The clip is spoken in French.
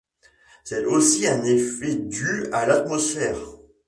C'est aussi un effet dû à l'atmosphère.